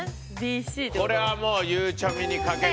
これはもうゆうちゃみにかける。